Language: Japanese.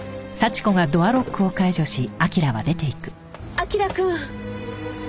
彬くん！